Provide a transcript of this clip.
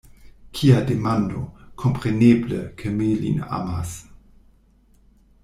Kia demando! kompreneble, ke mi lin amas.